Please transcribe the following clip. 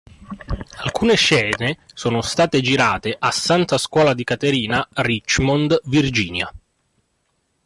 Alcune scene sono state girate a St. Scuola di Caterina, Richmond, Virginia.